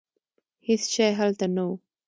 هېڅ شی هلته نه و.